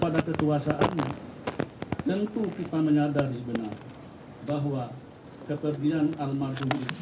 dimohon tetap tinggal